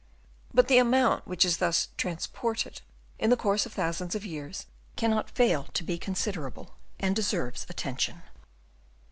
But the amount which is thus transported in the course of thousands of years cannot fail to be consider able and deserves attention.